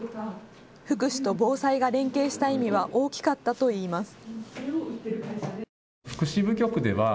福祉と防災が連携した意味は大きかったといいます。